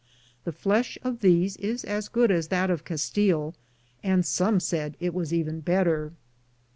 The flesh of these is as good as that of Castile, and some said it was even better.